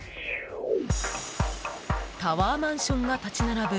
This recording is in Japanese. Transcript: タワーマンションが立ち並ぶ